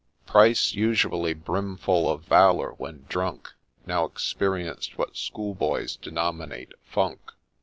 Pryce, usually brimful of valour when drunk, Now experienced what schoolboys denominate ' funk.'